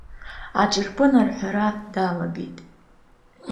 Аҿырпын арҳәара далагеит.